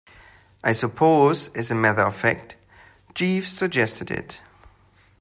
I suppose, as a matter of fact, Jeeves suggested it.